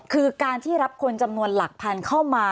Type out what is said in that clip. คือการที่รับคนจำนวนหลักพันธุ์เข้ามา